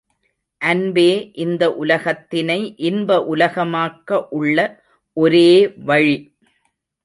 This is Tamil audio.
அன்பே இந்த உலகத்தினை இன்ப உலகமாக்க உள்ள ஒரே வழி!